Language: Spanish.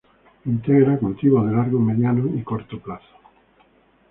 Integra cultivos de largo, mediano y corto plazo.